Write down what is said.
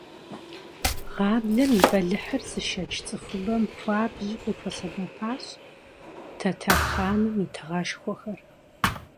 Гъаблэм и бэлыхьыр зышэч цӏыхубэм хуабжьу къыхуэсэбэпащ тэтэр хъаным и тыгъэшхуэхэр.